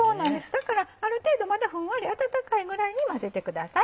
だからある程度まだふんわり温かいぐらいに混ぜてください。